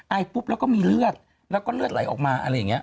ปุ๊บแล้วก็มีเลือดแล้วก็เลือดไหลออกมาอะไรอย่างนี้